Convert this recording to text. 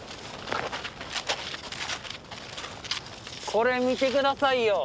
これ見て下さいよ。